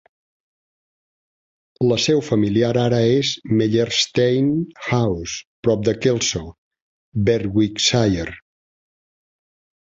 La seu familiar ara és Mellerstain House, prop de Kelso, Berwickshire.